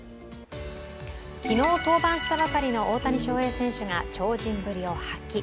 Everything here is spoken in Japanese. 昨日登板したばかりの大谷翔平選手が超人ぶりを発揮。